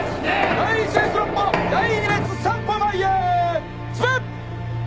第１列６歩第２列３歩前へ進め！